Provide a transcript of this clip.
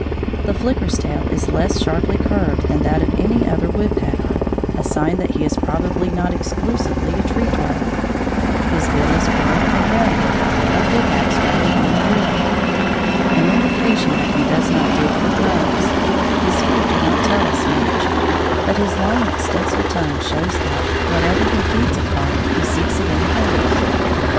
The flicker's tail is less sharply curved than that of any other woodpecker, a sign that he is probably not exclusively a tree dweller; his bill is curved and rounded, a pick axe rather than a drill, an indication that he does not dig for grubs; his feet do not tell us much; but his long extensile tongue shows that, whatever he feeds upon, he seeks it in holes.